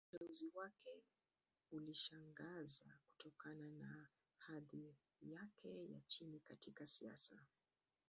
Uteuzi wake ulishangaza, kutokana na hadhi yake ya chini katika siasa.